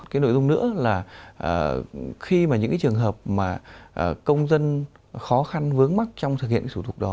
cái nội dung nữa là khi mà những cái trường hợp mà công dân khó khăn vướng mắt trong thực hiện cái thủ tục đó